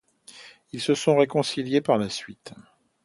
Ils se sont réconciliés par la suite.